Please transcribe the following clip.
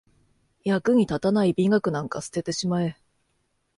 役に立たない美学なんか捨ててしまえ